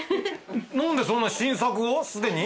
何でそんな新作をすでに？